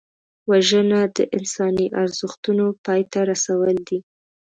وژنه د انساني ارزښتونو پای ته رسول دي